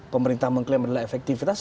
pemerintah mengklaim adalah efektivitas